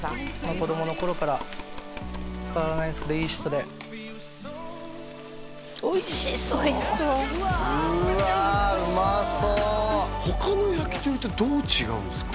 子供の頃から変わらないんすけどいい人でおいしそううわあうわっうまそう他の焼き鳥とどう違うんですか？